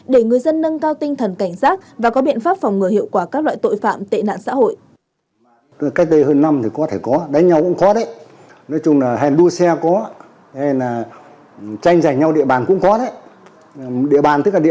để người dân nâng cao tinh thần cảnh giác và có biện pháp phòng ngừa hiệu quả các loại tội phạm tệ nạn xã hội